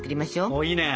おいいね。